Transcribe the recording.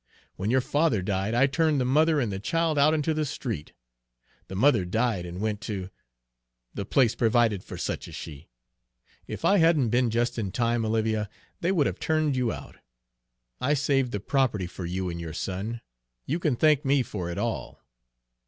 "When your father died, I turned the mother and the child out into the street. The mother died and went to the place provided for such as she. If I hadn't been just in time, Olivia, they would have turned you out. I saved the property for you and your son! You can thank me for it all!"